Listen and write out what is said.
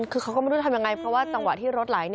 คือเขาก็ไม่รู้ทำยังไงเพราะว่าจังหวะที่รถไหล